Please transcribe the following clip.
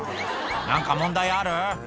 なんか問題ある？